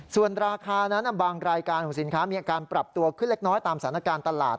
ส่วนราคานั้นบางรายการของสินค้ามีอาการปรับตัวขึ้นเล็กน้อยตามสถานการณ์ตลาด